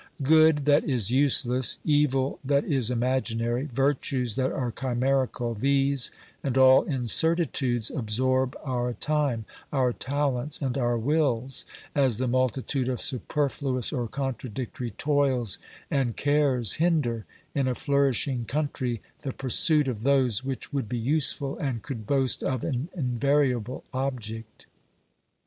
Good that is useless, evil that is imaginary, virtues that are chimerical, these and all incertitudes absorb our time, our talents and our wills, as the multitude of superfluous or contradictory toils and cares hinder, in a flourishing country, the pursuit of those which would be useful and could boast of an invariable object.